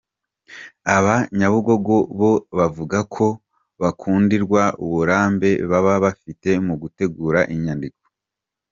Aba Nyabugogo bo bavuga ko bakundirwa uburambe baba bafite mu gutegura inyandiko.